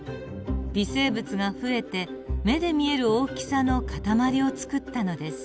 微生物が増えて目で見える大きさの塊をつくったのです。